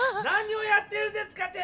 何をやってるんですか！